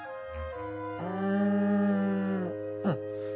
うんうん。